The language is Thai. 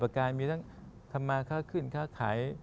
๑๐๘ประกายมีทั้งทำงานข้าวขึ้นข้าวข่าย